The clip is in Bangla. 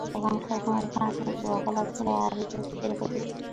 তখনকার সময়ে ফ্রান্সে জুয়া খেলা ছিল আভিজাত্যের প্রতীক।